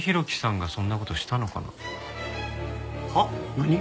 何？